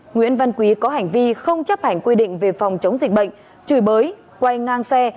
nguyễn văn quý có hành vi không chấp hành quy định về phòng chống dịch bệnh chùi bới quay ngang xe